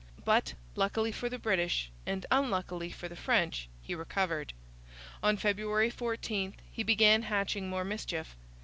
But, luckily for the British and unluckily for the French, he recovered. On February 14 he began hatching more mischief.